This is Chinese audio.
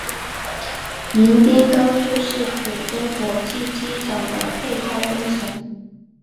迎宾高速是浦东国际机场的配套工程。